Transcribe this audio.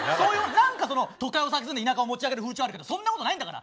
何かその都会を蔑んで田舎を持ち上げる風潮あるけどそんなことないんだから。